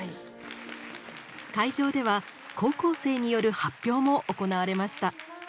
会場では高校生による発表も行われました。